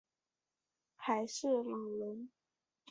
还是老人